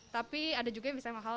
tapi ada juga yang bisa mahal